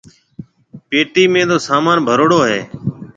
پيٽِي ۾ تو سامان ڀروڙو هيَ۔